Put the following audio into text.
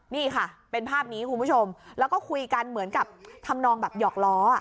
นี่ค่ะเป็นภาพนี้คุณผู้ชมแล้วก็คุยกันเหมือนกับทำนองแบบหยอกล้อ